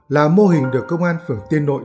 là mô hình được công an phường tiên nội